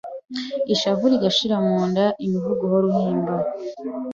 Ishavu rigashira mu nda Imivugo uhora uhimba